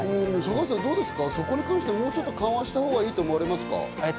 坂口さん、そこに関してもちょっと緩和したほうがいいと思われますか？